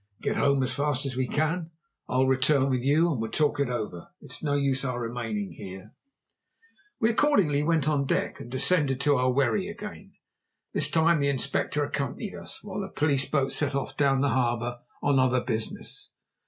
"Get home as fast as we can. I'll return with you, and we'll talk it over. It's no use our remaining here." We accordingly went on deck, and descended to our wherry again. This time the Inspector accompanied us, while the police boat set off down the harbour on other business.